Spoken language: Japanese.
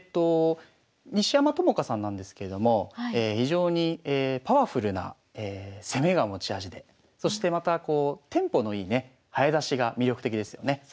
西山朋佳さんなんですけれども非常にパワフルな攻めが持ち味でそしてまたこうテンポのいいね早指しが魅力的ですよね。